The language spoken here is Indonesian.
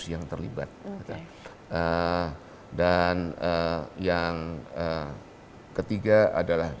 yang ketiga adalah